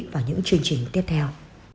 vào những chương trình tiếp theo